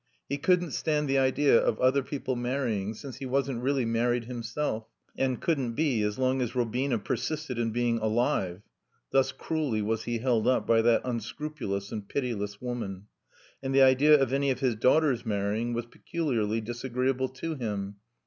He couldn't stand the idea of other people marrying since he wasn't really married himself, and couldn't be as long as Robina persisted in being alive (thus cruelly was he held up by that unscrupulous and pitiless woman) and the idea of any of his daughters marrying was peculiarly disagreeable to him.